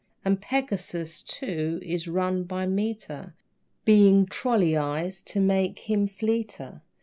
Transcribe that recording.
And Pegasus, too, is run by meter, Being trolleyized to make him fleeter.